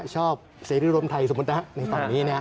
ชอบเสรีรมไทยสมมติในฝั่งนี้